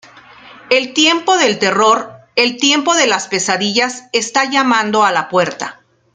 El tiempo del terror, el tiempo de las pesadillas, está llamando a la puerta.